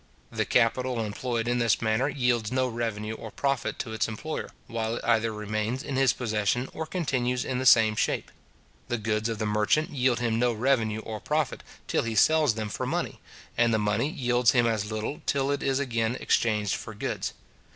The capital employed in this manner yields no revenue or profit to its employer, while it either remains in his possession, or continues in the same shape. The goods of the merchant yield him no revenue or profit till he sells them for money, and the money yields him as little till it is again exchanged for goods.